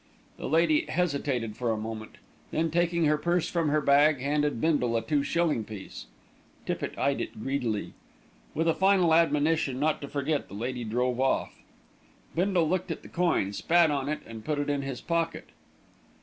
The lady hesitated for a moment, then taking her purse from her bag, handed Bindle a two shilling piece. Tippitt eyed it greedily. With a final admonition not to forget, the lady drove off. Bindle looked at the coin, spat on it, and put it in his pocket.